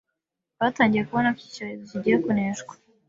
batangiye kubona ko iki cyorezo kigiye kuneshwa,